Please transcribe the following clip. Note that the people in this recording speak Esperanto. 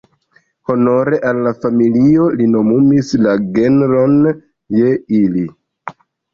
Honore al la familio, li nomumis la genron je ili.